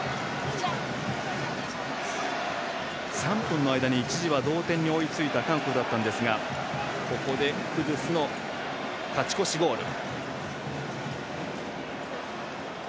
３分の間に一時は同点に追いついた韓国だったんですがここでクドゥスの勝ち越しゴール。